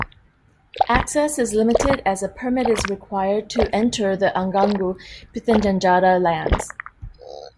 Access is limited as a permit is required to enter the Anangu Pitjantjatjara lands.